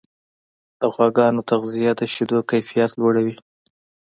د غواګانو تغذیه د شیدو کیفیت لوړوي.